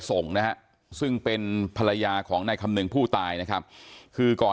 ส่งนะฮะซึ่งเป็นภรรยาของนายคำนึงผู้ตายนะครับคือก่อน